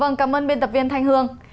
vâng cảm ơn biên tập viên thanh hương